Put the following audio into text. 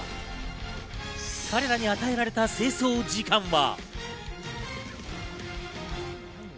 彼らに与えられた清掃時間は。